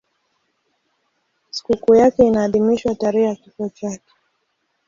Sikukuu yake inaadhimishwa tarehe ya kifo chake.